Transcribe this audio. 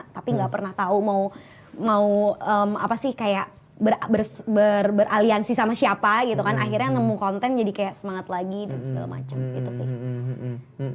tapi nggak pernah tahu mau apa sih kayak beraliansi sama siapa gitu kan akhirnya nemu konten jadi kayak semangat lagi dan segala macam gitu sih